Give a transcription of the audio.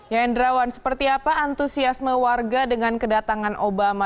yandrawan seperti apa antusiasme warga dengan kedatangan obama